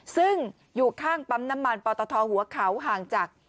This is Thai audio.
ซึ่งอยู่ข้างปั๊มน้ำมันปตทหัวเขาห่างจาก